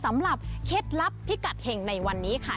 สำหรับเคล็ดลับพิกัดแห่งในวันนี้ค่ะ